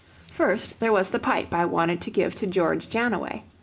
First, there was the pipe I wanted to give George Jannaway.